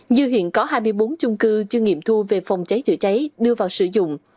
như hiện có hai mươi bốn chung cư chưa nghiệm thu về phòng cháy chữa cháy đưa vào sử dụng